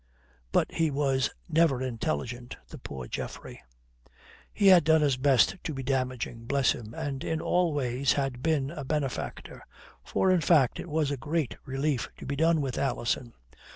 But he was never intelligent, the poor Geoffrey. He had done his best to be damaging, bless him, and in all ways had been a benefactor. For, in fact, it was a great relief to be done with Alison.